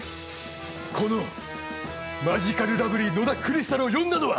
このマヂカルラブリー野田クリスタルを呼んだのは。